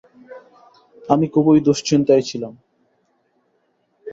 আমি খুবই দুশ্চিন্তায় ছিলাম।